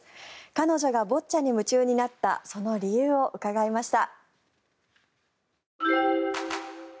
彼女がボッチャに夢中になったその理由を伺いました。